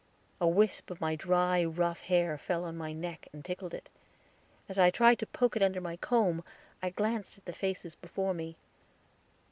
A wisp of my dry, rough hair fell on my neck and tickled it; as I tried to poke it under my comb, I glanced at the faces before me.